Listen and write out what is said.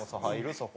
そこ。